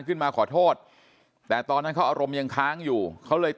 ขึ้นมาขอโทษแต่ตอนนั้นเขาอารมณ์ยังค้างอยู่เขาเลย